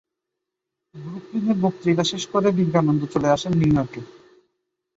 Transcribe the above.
ব্রুকলিনের বক্তৃতা শেষ করে বিবেকানন্দ চলে আসেন নিউ ইয়র্কে।